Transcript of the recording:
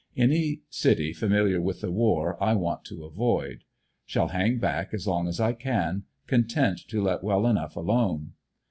Any city familiar with the war 1 want to avoid. Shall hang back as long as I can, content to let well enough alone.